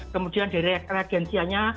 kemudian dari reagensianya